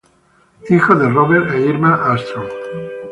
Hijo de Robert e Irma Armstrong.